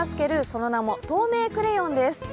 その名マも透明クレヨンです。